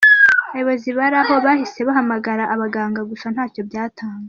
Abayobozi bari aho bahise bahamagara abaganga gusa ntacyo byatanze.